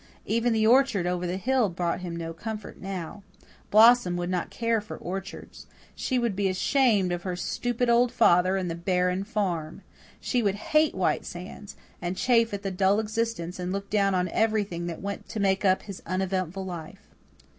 Even the orchard over the hill brought him no comfort now. Blossom would not care for orchards. She would be ashamed of her stupid old father and the barren farm. She would hate White Sands, and chafe at the dull existence, and look down on everything that went to make up his uneventful life.